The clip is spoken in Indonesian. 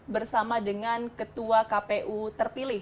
bersama dengan ketua kpu terpilih